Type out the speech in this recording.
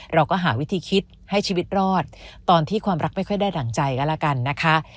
เราก็หาวิธีคิดให้ชีวิตรอดตอนที่ความรักไม่ค่อยได้ดั่งใจกันแล้วกันนะคะ